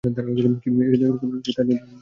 কী তাজ্জব ব্যাপার!